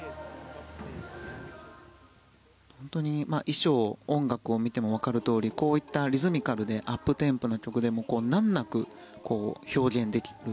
本当に衣装、音楽を見てもわかるとおりこういったリズミカルでアップテンポな曲でも難なく表現できる。